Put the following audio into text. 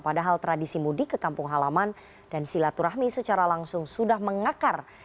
padahal tradisi mudik ke kampung halaman dan silaturahmi secara langsung sudah mengakar